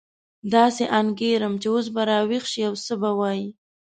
داسې انګېرم چې اوس به راویښ شي او څه به ووایي.